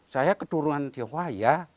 saya keturunan tionghoa ya